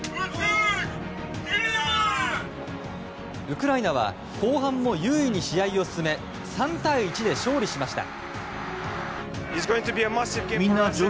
ウクライナは後半も優位に試合を進め３対１で勝利しました。